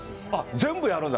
全部やるんだ？